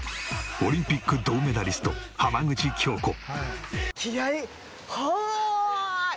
オリンピック銅メダリスト浜口京子。